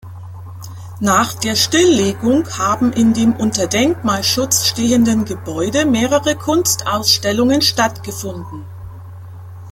Nach der Stilllegung haben in dem unter Denkmalschutz stehenden Gebäude mehrere Kunstausstellungen stattgefunden.